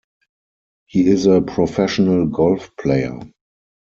He is a professional golf player.